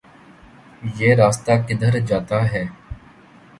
یہ راستہ کدھر جاتا ہے